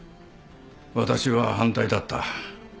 私は反対だった。